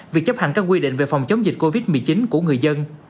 việc chấp hành các quy định về phòng chống dịch covid một mươi chín của người dân